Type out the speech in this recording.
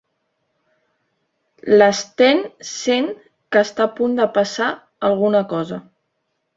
L'Sten sent que està a punt de passar alguna cosa.